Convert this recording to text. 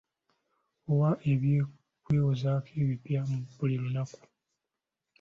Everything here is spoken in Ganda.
Owa eby'okwewozaako ebipya buli lunaku.